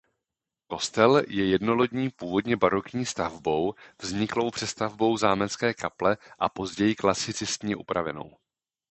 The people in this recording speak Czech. Kostel je jednolodní původně barokní stavbou vzniklou přestavbou zámecké kaple a později klasicistně upravenou.